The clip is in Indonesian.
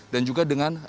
dan juga dengan